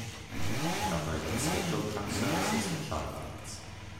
It operated scheduled trunk services and charter flights.